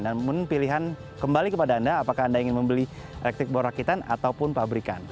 dan memilih pilihan kembali kepada anda apakah anda ingin membeli e board rakitan ataupun pabrikan